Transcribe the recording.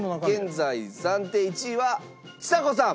現在暫定１位はちさ子さん！